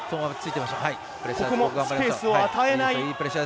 ここもスペースを与えない。